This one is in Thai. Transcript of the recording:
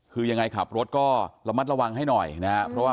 คือยังไงขับรถก็ระมัดระวังให้หน่อยนะครับ